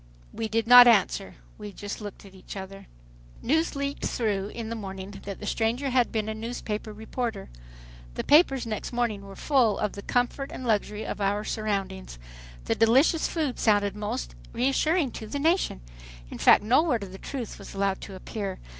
We did not answer. We looked at each other. News leaked through in the morning that the stranger had been a newspaper reporter. The papers next morning were full of the "comfort" and "luxury" of our surroundings. The "delicious" food sounded most reassuring to the nation. In fact no word of the truth was allowed to appear.